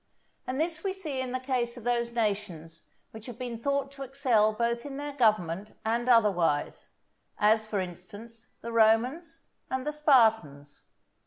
And this we see in the case of those nations which have been thought to excel both in their government and otherwise, as, for instance, the Romans and the Spartans.